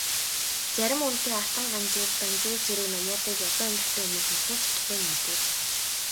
Зарим үнэтэй Алтан Ганжуур, Данжуур зэрэг номуудыг ядуу амьдралтай хүмүүс уншуулж чадахгүй нь мэдээж.